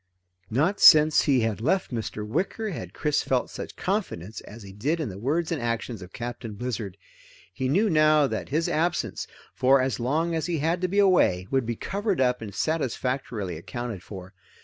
Not since he had left Mr. Wicker had Chris felt such confidence as he did in the words and actions of Captain Blizzard. He knew now that his absence, for as long as he had to be away, would be covered up and satisfactorily accounted for.